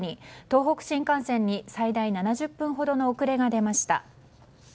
東北新幹線に最大７０分ほどの遅れが出ました。